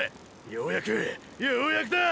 ようやくようやくだ！！